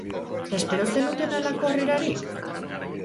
Espero zenuten halako harrerarik?